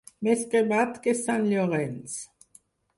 Més cremat que sant Llorenç.